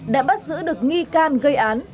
đã bắt giữ được nghi can gây án